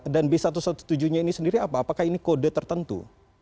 dan b satu satu tujuh ini sendiri apa apakah ini kode tertentu